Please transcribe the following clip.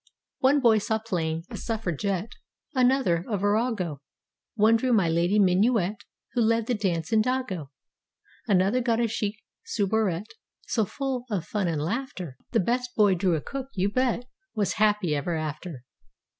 One boy saw plain, a suffragette; Another, a virago; One drew My Lady Minuet Who led the dance in Dago. Another got a chic soubrette. So full of fun and laughter; The best boy drew a cook, you bet. Was happy ever after.